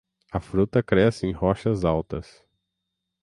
A fruta cresce em rochas altas.